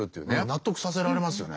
納得させられますよね。